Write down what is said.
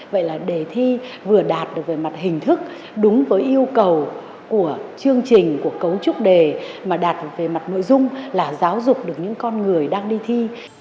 vậy là đề thi vừa đạt được về mặt hình thức đúng với yêu cầu của chương trình của cấu trúc đề mà đạt về mặt nội dung là giáo dục được những con người đang đi thi